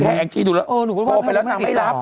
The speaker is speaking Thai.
ได้ไงอังเขียนดูแล้วโขลไปแล้วนางไม่รับ